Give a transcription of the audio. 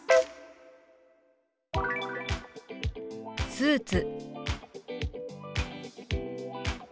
「スーツ」。